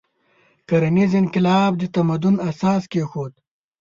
کرنیز انقلاب د تمدن اساس کېښود.